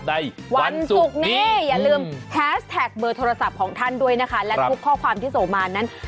ในวันศุกร์นี้อย่าลืมแฮสแท็กเบอร์โทรศัพท์ของท่านด้วยนะคะและทุกข้อความที่ส่งมานั้น